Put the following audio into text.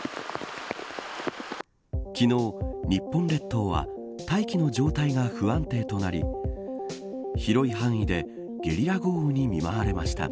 昨日、日本列島は大気の状態が不安定となり広い範囲でゲリラ豪雨に見舞われました。